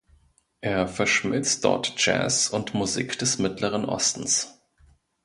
Er verschmilzt dort Jazz und Musik des mittleren Ostens.